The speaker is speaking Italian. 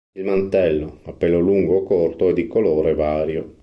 Il mantello, a pelo lungo o corto, è di colore vario.